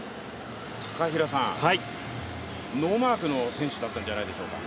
高平さん、ノーマークの選手だったじゃないでしょうか？